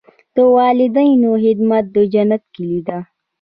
د والدینو خدمت د جنت کلي ده.